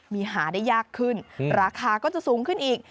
มีหาได้ยากขึ้นราคาก็จะสูงขึ้นอีก